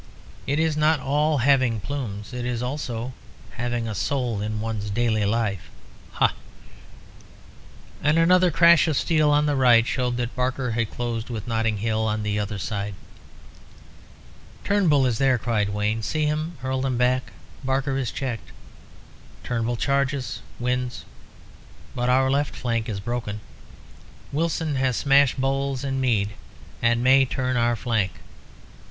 It is not all having plumes; it is also having a soul in one's daily life. Ha!" And another crash of steel on the right showed that Barker had closed with Notting Hill on the other side. "Turnbull is there!" cried Wayne. "See him hurl them back! Barker is checked! Turnbull charges wins! But our left is broken. Wilson has smashed Bowles and Mead, and may turn our flank.